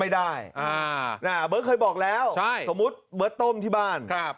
ไม่ได้อ่าเบิร์ดเคยบอกแล้วใช่สมมุติเบิร์ดต้มที่บ้านครับ